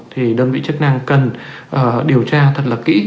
thì đơn vị chức năng cần điều tra thật là kỹ